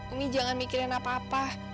ini jangan mikirin apa apa